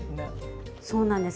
そうなんです。